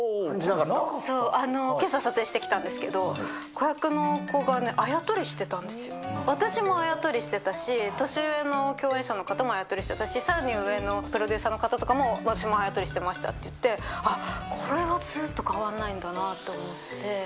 けさ撮影してきたんですけど、子役の子がね、あやとりしてたんですよ、私もあやとりしてたし、年上の共演者の方もあやとりして、私よりさらに上のプロデューサーの方も私もあやとりしてましたって言って、あっ、これはずっと変わんないんだなと思って。